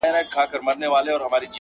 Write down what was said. هغې ته درد لا ژوندی دی.